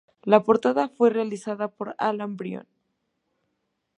La portada fue realizada por Alain Brion.